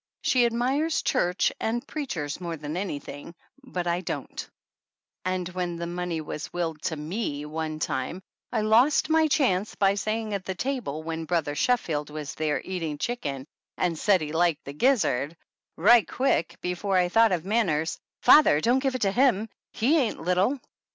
She admires church and preachers more than anything, but I don't, and when the money was willed to me one time I lost my chance by saying at the table when Brother Sheffield was there eating chicken and said he liked the gizzard, 57 THE ANNALS OF ANN right quick, before I thought of manners, "Father, don't give it to him he ain't little